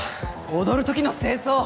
踊るときの正装。